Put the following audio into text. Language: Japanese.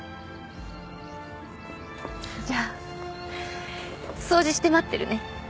じゃあ掃除して待ってるね。